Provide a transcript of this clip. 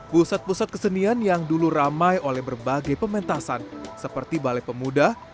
pusat pusat kesenian yang dulu ramai oleh berbagai pementasan seperti balai pemuda